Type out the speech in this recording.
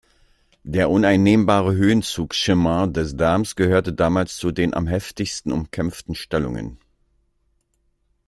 Der uneinnehmbare Höhenzug Chemin des Dames gehörte damals zu den am heftigsten umkämpften Stellungen.